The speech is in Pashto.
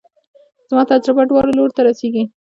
زما تجربه دواړو لورو ته رسېږي.